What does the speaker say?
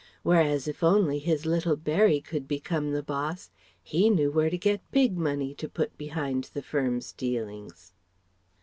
Whereas if only his little Berry could become the boss, he knew where to get "big money" to put behind the Firm's dealings.